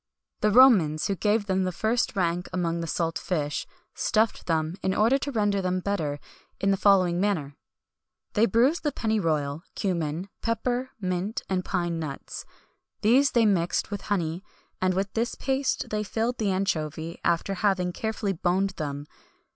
[XXI 201] The Romans, who gave them the first rank among salt fish,[XXI 202] stuffed them, in order to render them better, in the following manner: [XXI 203] They bruised pennyroyal, cummin, pepper, mint, and pine nuts; these they mixed with honey, and with this paste they filled the anchovy, after having carefully boned them.